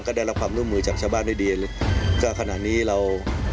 ก็ได้รับความร่วมมือจากชาวบ้านได้ดีเลยก็ขณะนี้เรา